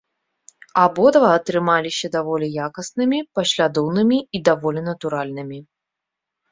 Абодва атрымаліся даволі якаснымі, паслядоўнымі і даволі натуральнымі.